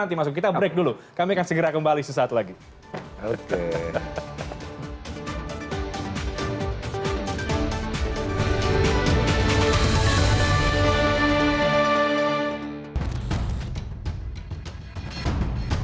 ketemu dengan demokrat ketemu dengan pks dan partai partai yang lain